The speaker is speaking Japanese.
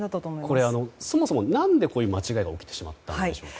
そもそも何でこういう間違えが起きてしまったんでしょうか。